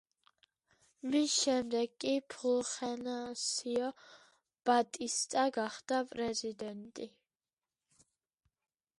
მის შემდეგ კი ფულხენსიო ბატისტა გახდა პრეზიდენტი.